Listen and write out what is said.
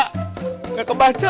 tidak bisa membaca